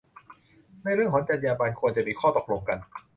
ในเรื่องของจรรยาบรรณ ควรจะมีข้อตกลงกัน